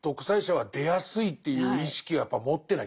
はい。